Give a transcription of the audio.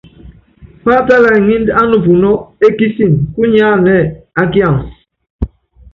Páatála iŋíud á nupunɔ́ ékísin kúnyɛ́ anɛ á kians.